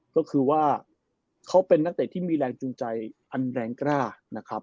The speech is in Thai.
ก็คือว่าเขาเป็นนักเตะที่มีแรงจูงใจอันแรงกล้านะครับ